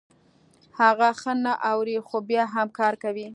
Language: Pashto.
هغه ښه نه اوري خو بيا هم کار کوي.